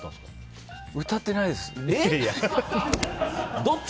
歌ってないです。